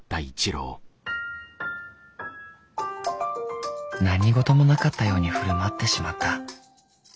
心の声何事もなかったように振る舞ってしまった。